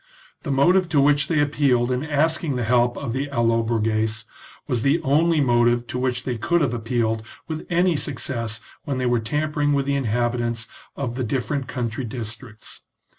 The motive to which they appealed in asking the help of the Allobroges, was the only motive to which they could have ap pealed with any success when they were tampering with the inhabitants of the different country districts.